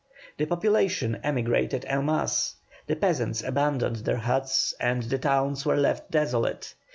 The population emigrated en masse, the peasants abandoned their huts and the towns were left desolate.